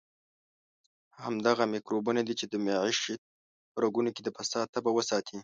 همدغه میکروبونه دي چې د معیشت په رګونو کې د فساد تبه وساتي.